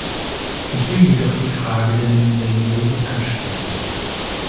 Ich will jedoch die Frage der Minderjährigen ansprechen.